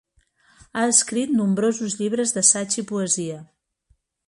Ha escrit nombrosos llibres d'assaig i poesia.